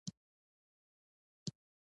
زعفران ګل ولې ګران دی؟